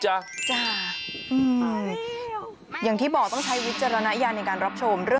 อย่างที่บอกต้องใช้วิจารณญาณในการรับชม